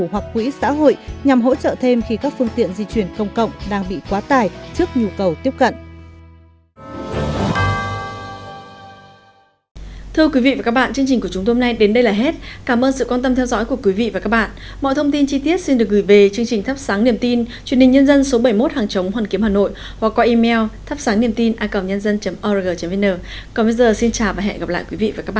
hẹn gặp lại quý vị và các bạn trong các chương trình lần sau